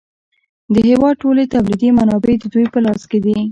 د هېواد ټولې تولیدي منابع د دوی په لاس کې دي